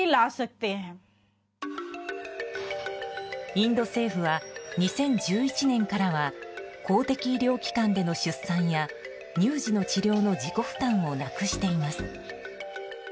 インド政府は２０１１年からは公的医療機関での出産や乳児の治療の自己負担をなくしています。